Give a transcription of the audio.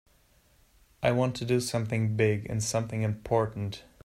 I want to do something big and something important.